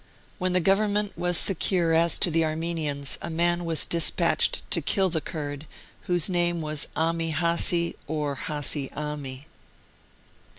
When the Government was secure as to the Armenians, a man was despatched to kill the Kurd, whose name was Aami Hassi, or Hassi Aami.